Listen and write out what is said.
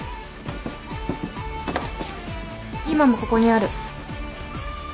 今もここにある。